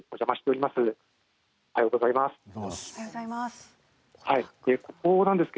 おはようございます。